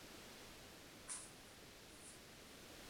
En la cabecera existe una cruz de madera sobre pedestal de cantería.